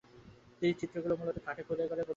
তিনি চিত্রগুলো মূলত কাঠের খোদাই করাই প্রধান ছিলো।